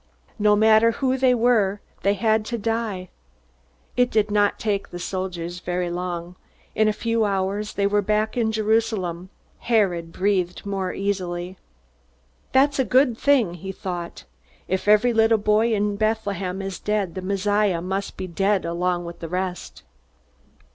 No matter who they were they had to die. It did not take the soldiers very long. In a few hours they were back in Jerusalem. Herod breathed more easily. That's a good thing, he thought. _If every little boy in Bethlehem is dead, the Messiah must be dead along with the rest.